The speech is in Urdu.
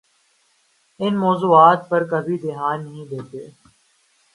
ان موضوعات پر کبھی دھیان نہیں دیتے؟